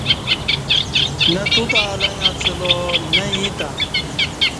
نہ تو تں الݩگ اڅہ لا نہ ییں تں